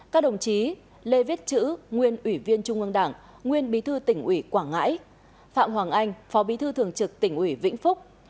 các đồng chí lê viết chữ nguyên ủy viên trung ương đảng nguyên bí thư tỉnh ủy quảng ngãi phạm hoàng anh phó bí thư thường trực tỉnh ủy vĩnh phúc